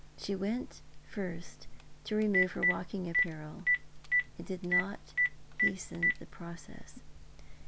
She went first to remove her walking apparel, and did not hasten the process.